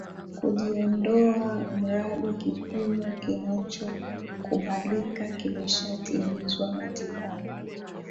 kujionda Mradi kipimo kinachokubalika kimeshatimizwa matibabu